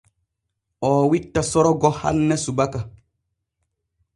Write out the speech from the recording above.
Oo witta Sorgo hanne subaka.